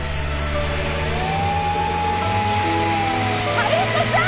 春彦さん！